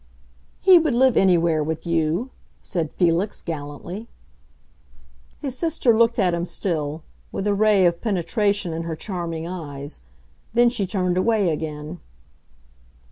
"He would live anywhere, with you!" said Felix, gallantly. His sister looked at him still, with a ray of penetration in her charming eyes; then she turned away again.